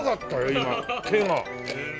今手が。